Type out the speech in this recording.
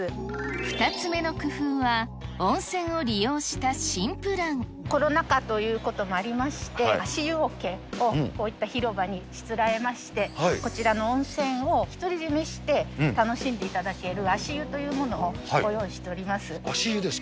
２つ目の工夫は、温泉を利用コロナ禍ということもありまして、足湯おけをこういった広場にしつらえまして、こちらの温泉をひとりじめして、楽しんでいただける足湯というも足湯ですか？